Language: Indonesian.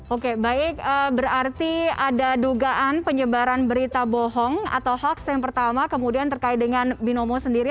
oke baik berarti ada dugaan penyebaran berita bohong atau hoaks yang pertama kemudian terkait dengan binomo sendiri